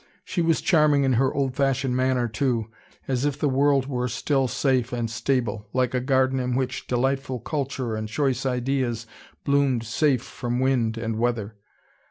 She was charming in her old fashioned manner too, as if the world were still safe and stable, like a garden in which delightful culture, and choice ideas bloomed safe from wind and weather.